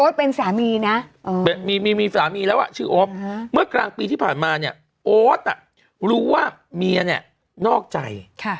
เป็นสามีนะมีสามีแล้วชื่อโอ๊ตเมื่อกลางปีที่ผ่านมาเนี่ยโอ๊ตรู้ว่าเมียเนี่ยนอกใจ